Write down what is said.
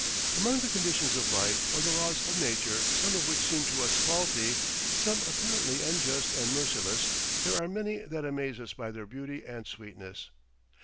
Among the conditions of life or the laws of nature, some of which seem to us faulty, some apparently unjust and merciless, there are many that amaze us by their beauty and sweetness.